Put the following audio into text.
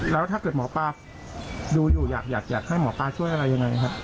แล้วถ้าเกิดหมอปลาดูอยู่อยากให้หมอปลาช่วยอะไรยังไงครับ